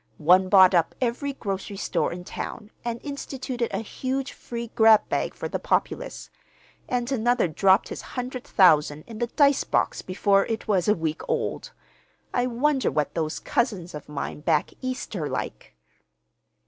One bought up every grocery store in town and instituted a huge free grab bag for the populace; and another dropped his hundred thousand in the dice box before it was a week old. I wonder what those cousins of mine back East are like!"